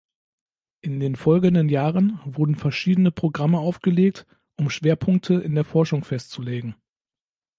In den folgenden Jahren wurden verschiedene Programme aufgelegt, um Schwerpunkte in der Forschung festzulegen.